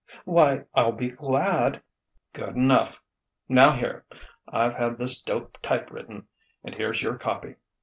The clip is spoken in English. "Why, I'll be glad " "Good enough. Now here: I've had this dope type written, and here's your copy.